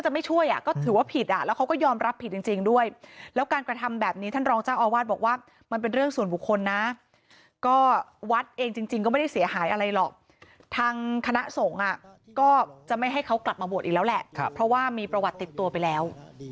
ไม่ช่วยอ่ะก็ถือว่าผิดอ่ะแล้วเขาก็ยอมรับผิดจริงด้วยแล้วการกระทำแบบนี้ท่านรองเจ้าอาวาสบอกว่ามันเป็นเรื่องส่วนบุคคลนะก็วัดเองจริงก็ไม่ได้เสียหายอะไรหรอกทางคณะสงฆ์อ่ะก็จะไม่ให้เขากลับมาบวชอีกแล้วแหละเพราะว่ามีประวัติติดตัวไปแล้ว